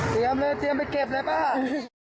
เตรียมเลยเตรียมไปเก็บเลยป่าว